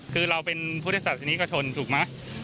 คือเราเป็นพุทธศาสตร์สินิกะทนถูกไหม